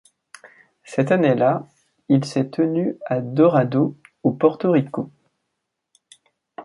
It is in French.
Cette année-là, il s’est tenu à Dorado, au Porto Rico.